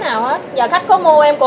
nếu mà khách không lấy vé được